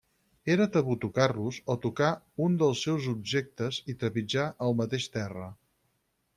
Era tabú tocar-los, o tocar un dels seus objectes, i trepitjar el mateix terra.